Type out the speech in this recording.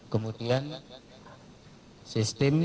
kemudian di hari minggu akhir daripada long listrik di jawa barat bagian tengah